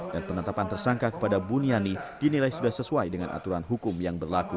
dan penetapan tersangka kepada buniani dinilai sudah sesuai dengan aturan hukum yang berlaku